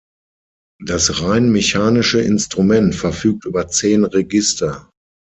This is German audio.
Das rein mechanische Instrument verfügt über zehn Register.